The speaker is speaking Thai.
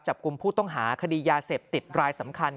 จับกลุ่มผู้ต้องหาคดียาเสพติดรายสำคัญ